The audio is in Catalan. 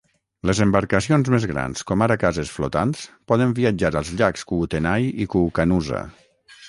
Les embarcacions més grans com ara cases flotants poden viatjar als llacs Kootenay i Koocanusa.